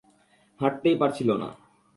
হাঁটতেই পারছিলো না।